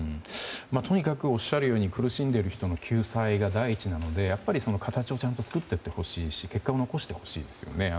とにかくおっしゃるように苦しんでいる人の救済が第一なので形をちゃんと作っていってほしいし結果も残してほしいですよね。